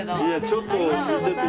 ちょっと見せて。